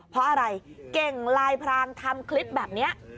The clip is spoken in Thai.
เพราะอะไรเก่งลายพรางทำคลิปแบบนี้